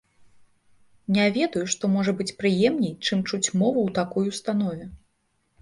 Не ведаю, што можа быць прыемней, чым чуць мову ў такой установе.